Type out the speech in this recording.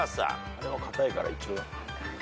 あれは堅いから一応。